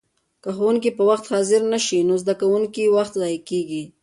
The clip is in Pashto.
که ښوونکي په وخت حاضر نه شي نو د زده کوونکو وخت ضایع کېږي.